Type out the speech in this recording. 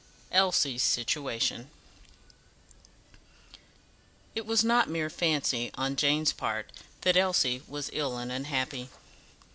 Elsie's Situation It was not mere fancy on Jane's part that Elsie was ill and unhappy.